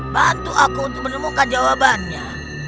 bantu aku menemukan jawabannya